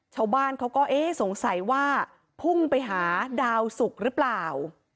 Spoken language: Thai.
ชาวบ้านเขาก็เอ๊ะสงสัยว่าพุ่งไปหาดาวสุกหรือเปล่า